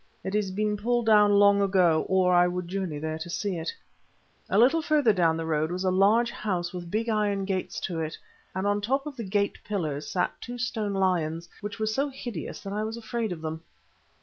It has been pulled down long ago, or I would journey there to see it. A little further down the road was a large house with big iron gates to it, and on the top of the gate pillars sat two stone lions, which were so hideous that I was afraid of them.